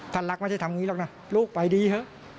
ท่านภัลลักษณ์ไม่ใช่ทำงี้หรอกนะลูกไปดีเถอะ